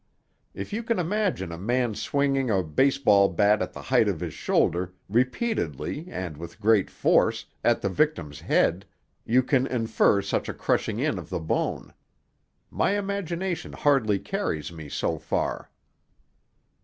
If you can imagine a man swinging a baseball bat at the height of his shoulder, repeatedly and with great force, at the victim's head, you can infer such a crushing in of the bone. My imagination hardly carries me so far."